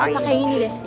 pakai gini deh